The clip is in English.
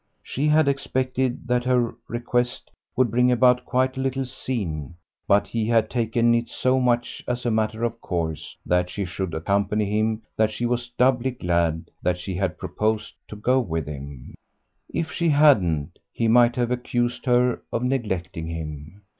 She had expected that her request would bring about quite a little scene, but he had taken it so much as a matter of course that she should accompany him that she was doubly glad that she had proposed to go with him; if she hadn't he might have accused her of neglecting him.